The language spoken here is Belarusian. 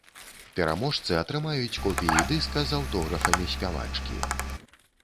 Пераможцы атрымаюць копіі дыска з аўтографамі спявачкі.